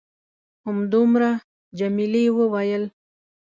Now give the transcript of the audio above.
همدومره؟ جميلې وويل:.